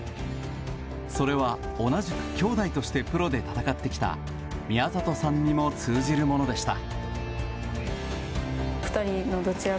それは同じく兄妹としてプロで戦ってきた宮里さんにも通じるものでした。